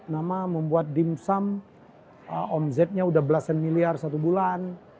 nama membuat dimsum omsetnya udah belasan miliar satu bulan